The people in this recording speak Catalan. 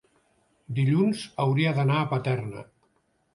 Dilluns hauria d'anar a Paterna.